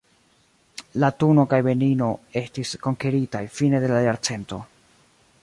Latuno kaj Benino estis konkeritaj fine de la jarcento.